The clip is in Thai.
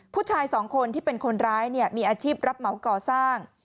ผู้ชายสองคนที่เป็นคนร้ายมีอาชีพรับเหมาก่อสร้าง